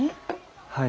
はい。